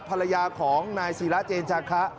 ภรรยาของนายสีละเจ็นจาคะ